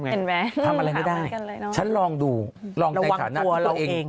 เห็นไหมทำอะไรไม่ได้ฉันลองดูลองในสถานะตัวเองนำอ้างกับตัวของเราเอง